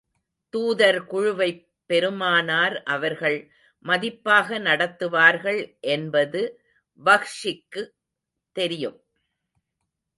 தூதர் குழுவைப் பெருமானார் அவர்கள் மதிப்பாக நடத்துவார்கள் என்பது வஹ்ஷிக்குத் தெரியும்.